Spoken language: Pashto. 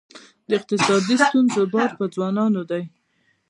د اقتصادي ستونزو بار پر ځوانانو دی.